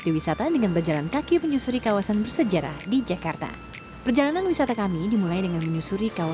di mana konon dulu ada seorang istri dari kebangsaan tionghoa yang selalu memberikan pay ini kepada masyarakat